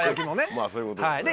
まぁそういうことですね。